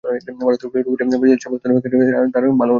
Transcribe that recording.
ভারতের রঘু রাই, ব্রাজিলের Sebastiao Salgado এঁদের কাজ তাঁর ভাল লাগে।